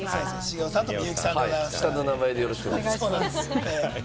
下の名前でよろしくお願いします。